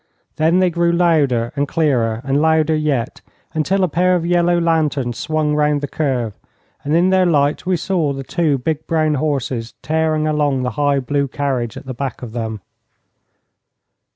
Then they grew louder and clearer and louder yet, until a pair of yellow lanterns swung round the curve, and in their light we saw the two big brown horses tearing along the high, blue carriage at the back of them.